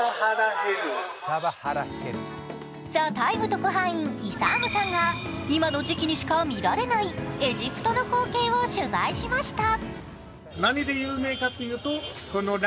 特派員、イサームさんが今の時期にしか見られないエジプトの光景を取材しました。